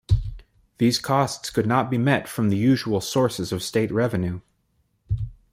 These costs could not be met from the usual sources of state revenue.